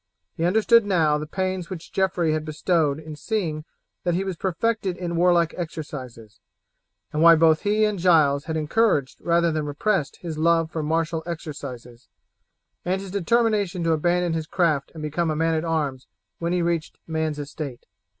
He understood now the pains which Geoffrey had bestowed in seeing that he was perfected in warlike exercises, and why both he and Giles had encouraged rather than repressed his love for martial exercises and his determination to abandon his craft and become a man at arms when he reached man's estate.